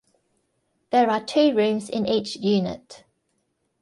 There are two rooms in each unit.